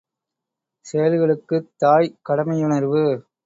செயல்களுக்குத் தாய் கடமையுணர்வு.